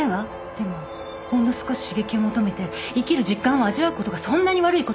でもほんの少し刺激を求めて生きる実感を味わうことがそんなに悪いことかしら？